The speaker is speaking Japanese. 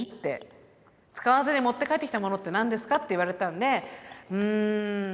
使わずに持って帰ってきたものって何ですかって言われたんでん